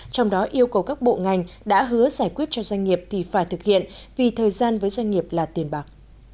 trong đó yêu cầu các bộ ngành đã hứa giải quyết cho doanh nghiệp thì phải thực hiện vì thời gian với doanh nghiệp là tiền bạc